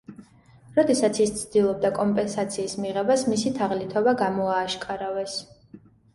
როდესაც ის ცდილობდა კომპენსაციის მიღებას მისი თაღლითობა გამოააშკარავეს.